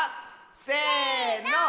せの。